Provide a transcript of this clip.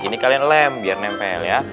ini kalian lem biar nempel ya